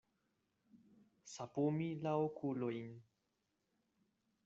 Sapumi la okulojn.